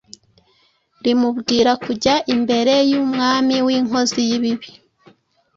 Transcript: rimubwira kujya imbere y’umwami w’inkozi y’ibibi